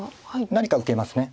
何か受けます。